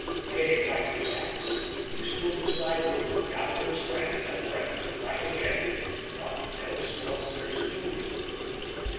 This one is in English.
Kay wiped his ax. He stood beside Ruth, gathering strength and breath to fight again. What else was there to do?